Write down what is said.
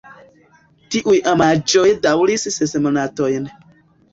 Tiuj amaĵoj daŭris ses monatojn.